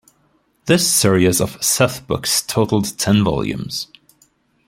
This series of "Seth books" totaled ten volumes.